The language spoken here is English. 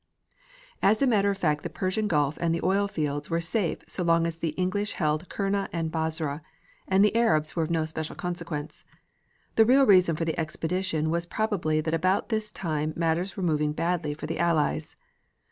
As a matter of fact the Persian Gulf and the oil fields were safe so long as the English held Kurna and Basra, and the Arabs were of no special consequence. The real reason for the expedition was probably that about this time matters were moving badly for the Allies.